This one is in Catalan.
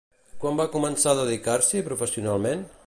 Quan va començar a dedicar-s'hi professionalment?